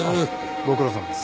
ご苦労さまです。